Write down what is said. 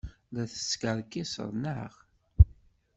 La teskerkiseḍ, naɣ?